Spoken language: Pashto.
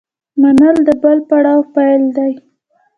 منل د بل پړاو پیل دی.